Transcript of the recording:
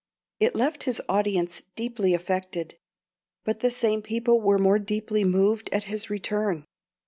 It left his audience deeply affected; but the same people were more deeply moved at his return.